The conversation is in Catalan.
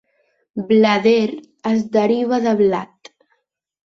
"Blader" es deriva de "blat".